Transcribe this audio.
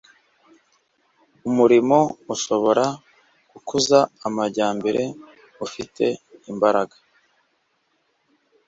umurimo urushaho gukuza amajyambere ufite imbaraga.